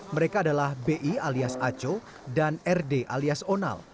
mereka adalah bi alias aco dan rd alias onal